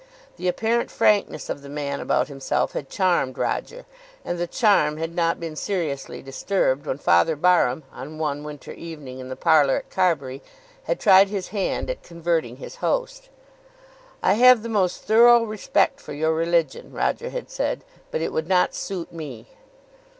The apparent frankness of the man about himself had charmed Roger, and the charm had not been seriously disturbed when Father Barham, on one winter evening in the parlour at Carbury, had tried his hand at converting his host. "I have the most thorough respect for your religion," Roger had said; "but it would not suit me."